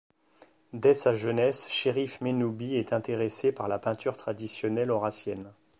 Dès sa jeunesse, Cherif Mennoubi est intéressé par la peinture traditionnelle Aurassienne.